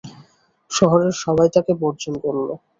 শহরের সবাই তাঁকে বর্জন করল।